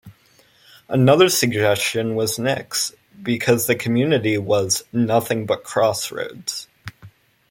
Another suggestion was "nix" because the community was "nothing but a crossroads".